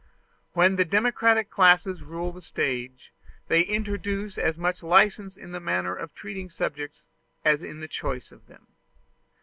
When the democratic classes rule the stage, they introduce as much license in the manner of treating subjects as in the choice of them.